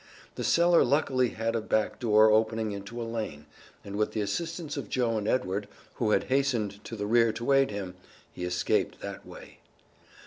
The cellar luckily had a back door opening into a lane, and with the assistance of Joe and Edward, who had hastened to the rear to aid him, he escaped that way.